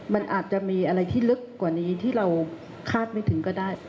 มันอาจจะมีอะไรที่ลึกกว่านี้ที่เราคาดไม่ถึงก็ได้